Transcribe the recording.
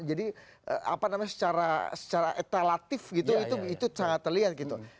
jadi secara relatif itu sangat terlihat